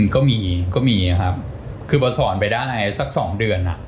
ก็มีคือเราสอนไปได้ในสัก๒เดือน